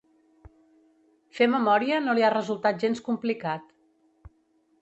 Fer memòria no li ha resultat gens complicat.